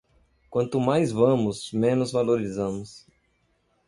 Quanto mais vamos, menos valorizamos.